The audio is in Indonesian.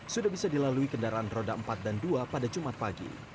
sudah bisa dilalui kendaraan roda empat dan dua pada jumat pagi